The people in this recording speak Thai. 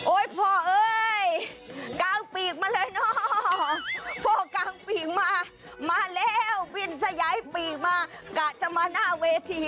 พ่อเอ้ยกลางปีกมาเลยเนอะพ่อกลางปีกมามาแล้วบินสยายปีกมากะจะมาหน้าเวที